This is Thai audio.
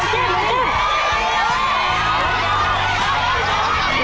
กี่ดองเดียวพอแล้ว